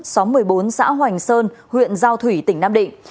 xóm một mươi bốn xã hoành sơn huyện giao thủy tỉnh nam định